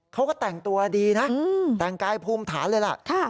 เขาก็แต่งตัวดีนะแต่งกายภูมิฐานเลยล่ะ